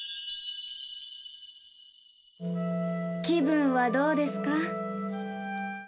気分はどうですか？